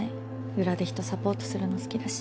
裏で人サポートするの好きだし。